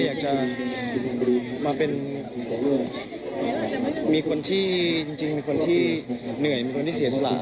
อยากจะมาเป็นคนที่จริงเป็นคนที่เหนื่อยมีคนที่เสียสละ